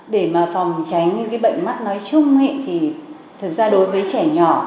để mà phòng tránh những bệnh mắt nói chung thì thực ra đối với trẻ nhỏ